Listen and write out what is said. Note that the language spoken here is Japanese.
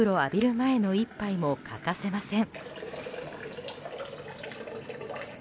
前の一杯も欠かせません。